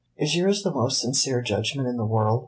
"Is yours the most sincere judgment in the world?"